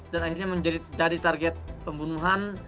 dan akhirnya menjadi dari target pembunuhan